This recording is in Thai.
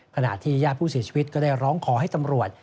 ขณะที่ญาติผู้เสียชีวิตก็ได้ร้องขอให้ตำรวจ